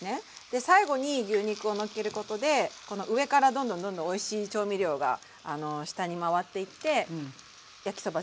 で最後に牛肉をのっけることで上からどんどんどんどんおいしい調味料が下に回っていって焼きそば全体がおいしくなるので。